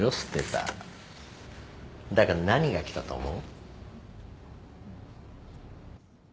だが何が来たと思う？